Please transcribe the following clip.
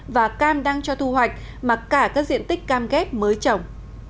và cam đang cho thu hoạch mà cả các diện tích cam ghép mới trồng